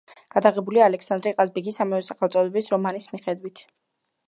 გადაღებულია ალექსანდრე ყაზბეგის ამავე სახელწოდების რომანის მიხედვით.